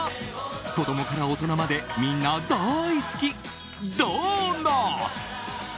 子供から大人までみんな大好き、ドーナツ。